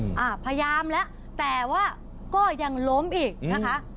พยายามแล้วแต่ว่าก็ยังล้มอีกนะคะ